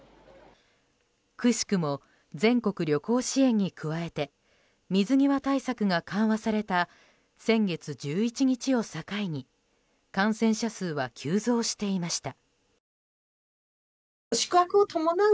くしくも全国旅行支援に加えて水際対策が緩和された先月１１日を境に感染者数は急増していました。